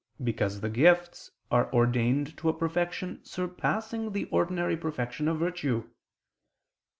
Because the gifts are ordained to a perfection surpassing the ordinary perfection of virtue.